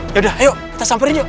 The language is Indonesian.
yaudah ayo kita samperin yuk